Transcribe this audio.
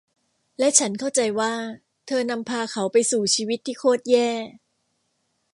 และฉันเข้าใจว่าเธอนำพาเขาไปสู่ชีวิตที่โครตแย่